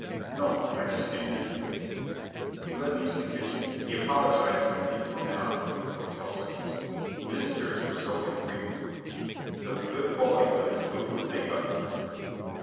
"No. I just came in." He led me to the kitchen. He apologized for the informality of his hotel service: visitors were so infrequent. But the good quality of his food would make up for it.